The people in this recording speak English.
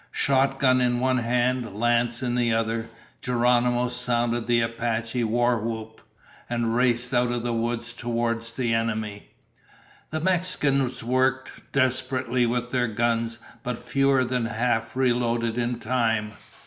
Shotgun in one hand, lance in the other, Geronimo sounded the Apache war whoop and raced out of the woods toward the enemy. The Mexicans worked desperately with their guns, but fewer than half reloaded in time.